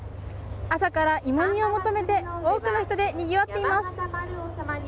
朝から芋煮を求めて多くの人でにぎわっています。